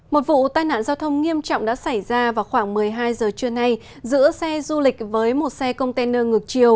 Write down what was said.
một vụ tai nạn giao thông nghiêm trọng đã xảy ra vào khoảng một mươi hai giờ trưa nay giữa xe du lịch với một xe container ngược chiều